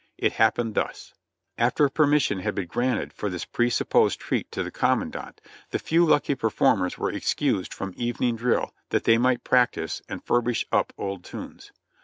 It happened thus : After permission had been granted for this pre supposed treat to the commandant, the few lucky performers were excused from evening drill that they might practice and furbish up old tunes.